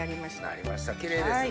なりましたキレイですね。